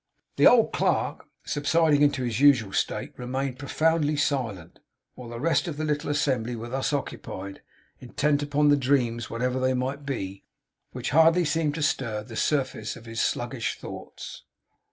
The old clerk, subsiding into his usual state, remained profoundly silent, while the rest of the little assembly were thus occupied, intent upon the dreams, whatever they might be, which hardly seemed to stir the surface of his sluggish thoughts.